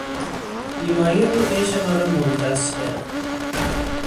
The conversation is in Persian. بیماری او عیش ما را منقص کرد.